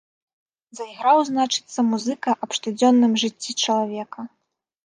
Зайграў, значыцца, музыка аб штодзённым жыцці чалавека.